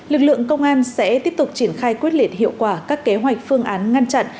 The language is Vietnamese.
lực lượng công an sẽ tiếp tục triển khai quyết liệt hiệu quả các kế hoạch phương án ngăn chặn